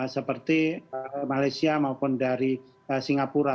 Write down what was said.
seperti malaysia maupun dari singapura